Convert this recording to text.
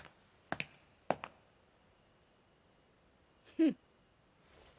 フッ！